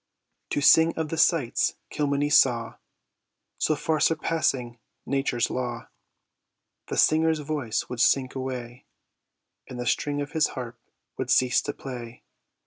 To sing of the sights Kilmeny saw, So far surpassing nature's law, The singer's voice would sink away, And the string of his harp would cease to play.